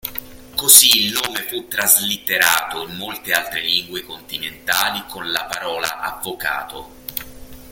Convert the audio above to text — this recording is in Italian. Così il nome fu traslitterato in molte altre lingue continentali con la parola "avvocato".